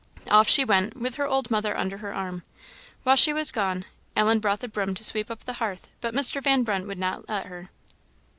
Off she went, with her old mother under her arm. While she was gone, Ellen brought the broom to sweep up the hearth, but Mr. Van Brunt would not let her.